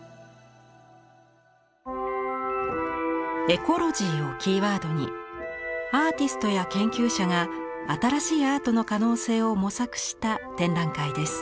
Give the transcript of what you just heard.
「エコロジー」をキーワードにアーティストや研究者が新しいアートの可能性を模索した展覧会です。